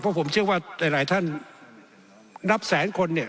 เพราะผมเชื่อว่าหลายท่านนับแสนคนเนี่ย